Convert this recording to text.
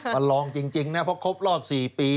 มันลองจริงนะเพราะครบรอบ๔ปี